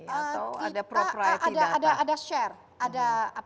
atau ada propriety data